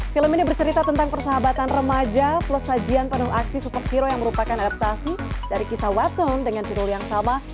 film ini bercerita tentang persahabatan remaja plus sajian penuh aksi superhero yang merupakan adaptasi dari kisah watton dengan judul yang sama